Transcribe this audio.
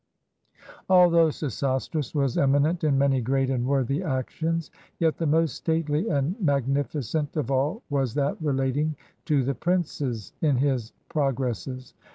Although Sesostris was eminent in many great and worthy actions, yet the most stately and magnificent of all was that relating to the princes in his progresses.